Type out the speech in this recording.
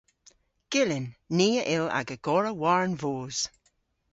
Gyllyn. Ni a yll aga gorra war an voos.